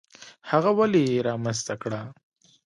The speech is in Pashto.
هغه ولې یې رامنځته کړه؟